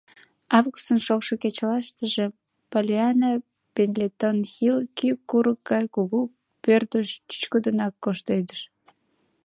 Августын шокшо кечылаштыже Поллианна Пендлетон-Хилл кӱ курык гай кугу пӧртыш чӱчкыдынак коштедыш.